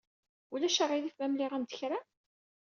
Ulac aɣilif ma mliɣ-am-d kra?